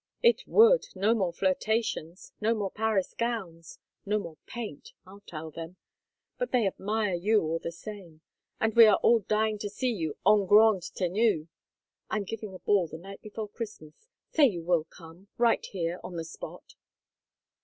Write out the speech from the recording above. "It would! No more flirtations! No more Paris gowns! No more paint! I'll tell them. But they admire you, all the same. And we are all dying to see you en grande tenue. I am giving a ball the night before Christmas. Say you will come right here, on the spot."